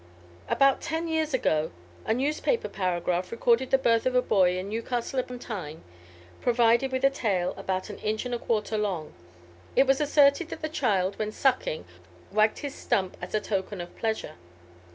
About ten years ago, a newspaper paragraph recorded the birth of a boy at Newcastle on Tyne, provided with a tail about an inch and a quarter long. It was asserted that the child when sucking wagged this stump as token of pleasure.